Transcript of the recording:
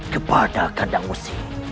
kepada kandang usi